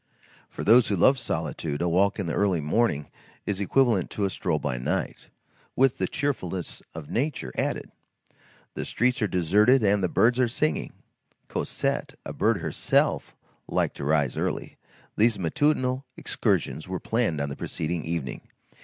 For those who love solitude, a walk in the early morning is equivalent to a stroll by night, with the cheerfulness of nature added. The streets are deserted and the birds are singing. Cosette, a bird herself, liked to rise early. These matutinal excursions were planned on the preceding evening.